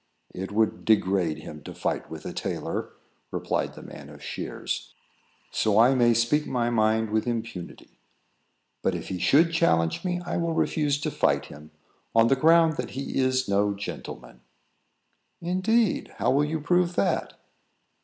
"It would degrade him to fight with a tailor," replied the man of shears. "So I may speak my mind with impunity. But if he should challenge me, I will refuse to fight him, on the ground that he is no gentleman." "Indeed! How will you prove that?"